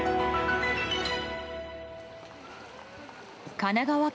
神奈川県